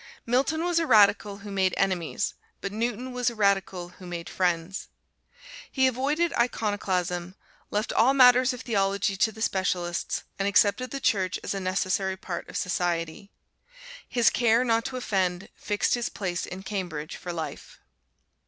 Milton was a radical who made enemies, but Newton was a radical who made friends. He avoided iconoclasm, left all matters of theology to the specialists, and accepted the Church as a necessary part of society. His care not to offend fixed his place in Cambridge for life.